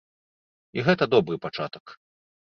І гэта добры пачатак.